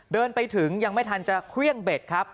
เดินไปถึงยังไม่ทันจะเครื่องเบ็ดครับ